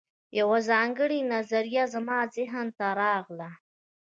یوه ځانګړې نظریه زما ذهن ته راغله